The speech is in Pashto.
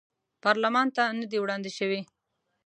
پارلمان ته نه دي وړاندې شوي.